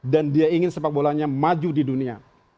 dan dia ingin sepak bolanya maju di dunia